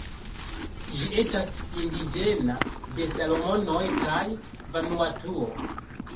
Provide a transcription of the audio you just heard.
Ĝi estas indiĝena de Salomonoj kaj Vanuatuo.